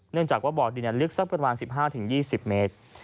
เนื่องจากว่าบ่อดินลึกสักประมาณ๑๕๒๐เมตร